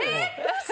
嘘！